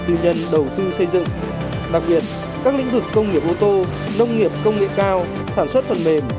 tư nhân đầu tư xây dựng đặc biệt các lĩnh vực công nghiệp ô tô nông nghiệp công nghệ cao sản xuất phần mềm